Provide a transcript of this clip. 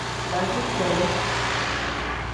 Baasiteree.